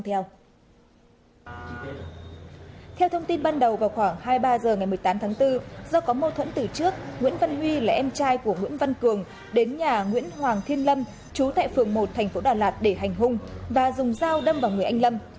theo thông tin ban đầu vào khoảng hai mươi ba h ngày một mươi tám tháng bốn do có mâu thuẫn từ trước nguyễn văn huy là em trai của nguyễn văn cường đến nhà nguyễn hoàng thiên lâm chú tại phường một thành phố đà lạt để hành hung và dùng dao đâm vào người anh lâm